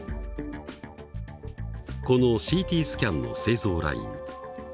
このＣＴスキャンの製造ライン。